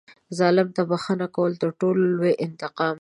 ظالم ته بښنه کول تر ټولو لوی انتقام دی.